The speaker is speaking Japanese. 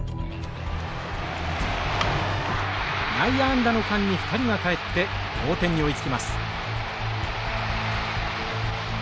内野安打の間に２人が帰って同点に追いつきます。